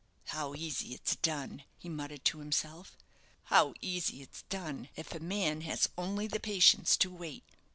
"How easy it's done," he muttered to himself; "how easy it's done, if a man has only the patience to wait."